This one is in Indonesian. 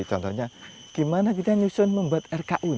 contohnya gimana kita nyusun membuat rku